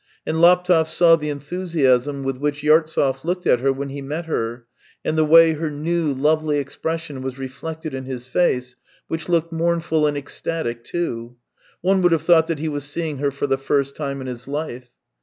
And Laptev saw the enthusiasm with which Yartsev looked at her when he met her, and the way her new, lovely expression was reflected in his face, which looked mournful and ecstatic too. One would have thought that he was seeing her for the first time in his life.